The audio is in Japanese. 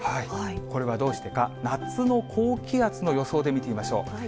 これはどうしてか、夏の高気圧の予想で見てみましょう。